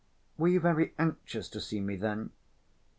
"Were you very anxious to see me, then?"